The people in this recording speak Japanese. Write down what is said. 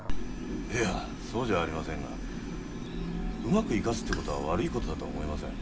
いやそうじゃありませんがうまく生かすってことは悪いことだとは思えません。